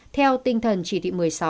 theo tinh thần chỉ thị một mươi sáu